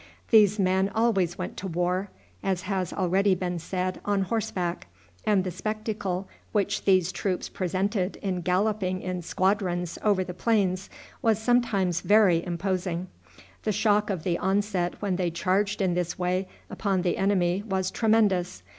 These men always went to war, as has already been said, on horseback, and the spectacle which these troops presented in galloping in squadrons over the plains was sometimes very imposing. The shock of the onset when they charged in this way upon the enemy was tremendous.